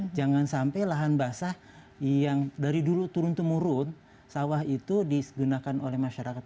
jangan sampai lahan basah yang dari dulu turun temurun sawah itu digunakan oleh masyarakat